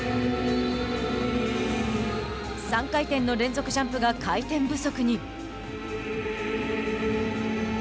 ３回転の連続ジャンプが回転不足に。